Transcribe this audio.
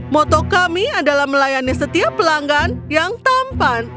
moto kami adalah melayani setiap pelanggan yang tampan